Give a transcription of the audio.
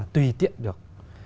tùy tiện được